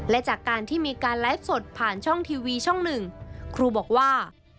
และจากการที่มีการไลฟ์สดผ่านช่องทีวีช่องหนึ่งครูบอกว่า